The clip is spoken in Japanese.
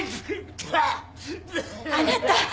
あなた！